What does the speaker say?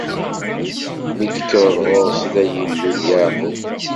Mi d-tekkreḍ ɣur-sen, ay Illu n Yeɛqub.